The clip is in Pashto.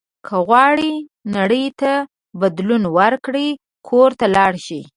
که غواړئ نړۍ ته بدلون ورکړئ کور ته لاړ شئ.